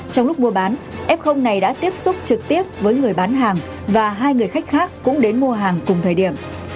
trong lúc mua bán f này đã tiếp xúc trực tiếp với người bán hàng và hai người khách khác cũng đến mua hàng cùng thời điểm